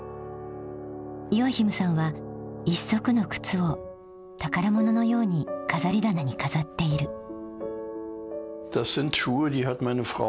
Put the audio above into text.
ヨアヒムさんは一足の靴を宝物のように飾り棚に飾っている。